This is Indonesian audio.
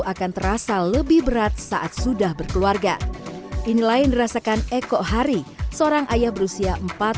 akan terasa lebih berat saat sudah berkeluarga ini lain dirasakan eko hari seorang ayah berusia